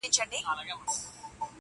د وړې اوسپني زور نه لري لوېږي.!